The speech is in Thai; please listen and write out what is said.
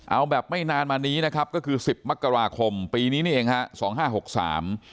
เอาแบบไม่นานมานี้นะครับก็คือสิบมกราคมปีนี้นี่เองฮะสองห้าหกสาม